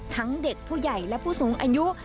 ทั้งเด็กผู้ใหญ่และผู้สูงอายุ